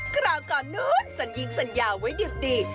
คราวก่อนนู้นสัญญิงสัญญาไว้ดิบดี